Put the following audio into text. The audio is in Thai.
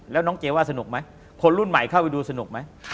แล้วน้องเจว่าสนุกไหมคนรุ่นใหม่เข้าไปดูสนุกไหม